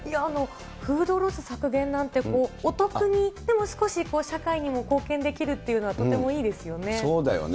フードロス削減なんて、お得に、でも少し社会にも貢献できるっていうのは、とてもいいでそうだよね。